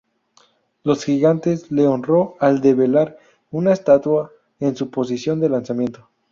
Los Gigantes le honró al develar una estatua en su posición de lanzamiento.